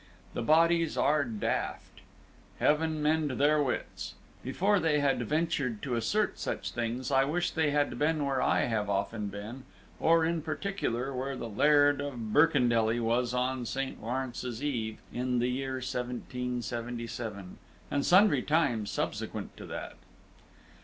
The bodies are daft. Heaven mend their wits! Before they had ventured to assert such things, I wish they had been where I have often been; or, in particular, where the Laird of Birkendelly was on St. Lawrence's Eve, in the year 1777, and sundry times subsequent to that.